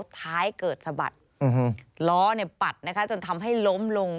ท้ายเกิดสะบัดล้อปัดนะคะจนทำให้ล้มลง